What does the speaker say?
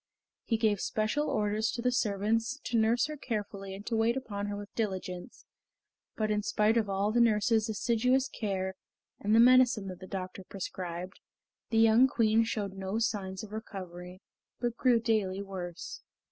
He gave special orders to the servants to nurse her carefully and to wait upon her with diligence, but in spite of all the nurses' assiduous care and the medicine that the doctor prescribed, the young Queen showed no signs of recovery, but grew daily worse.